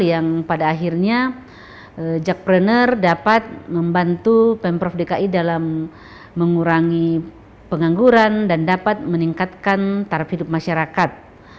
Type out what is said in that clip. yang pada akhirnya jakpreneur dapat membantu pemprov dki dalam mengurangi pengangguran dan dapat meningkatkan taraf hidup masyarakat